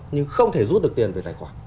nhưng không thể rút được tiền về tài khoản